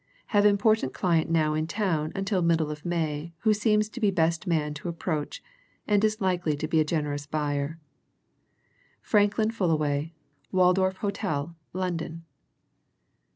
Have important client now in town until middle May who seems to be best man to approach and is likely to be a generous buyer. "FRANKLIN FULLAWAY, Waldorf Hotel, London."